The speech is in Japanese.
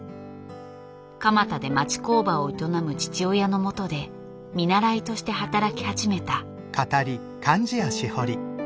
蒲田で町工場を営む父親のもとで見習いとして働き始めた。